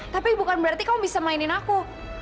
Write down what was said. tapi bukan berarti kamu bisa mainin aku